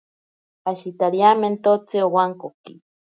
Ashitariamentotsi owankoki.